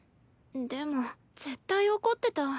でも絶対怒ってた。